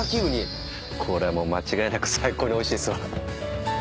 これもう間違いなく最高においしいですわ。